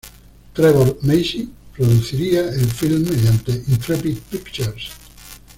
Trevor Macy produciría el film mediante Intrepid Pictures.